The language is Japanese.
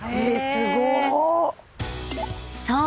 ［そう！